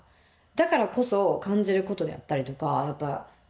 だからこそ感じることであったりとかやっぱ。